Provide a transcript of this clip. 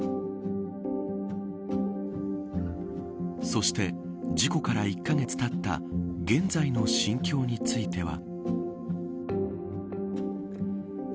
そして事故から１カ月がたった現在の心境については。